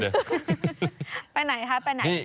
ไปไหนคะไปไหน